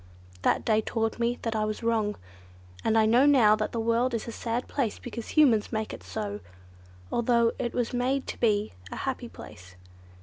That day taught me I was wrong, and I know now that the world is a sad place because Humans make it so; although it was made to be a happy place.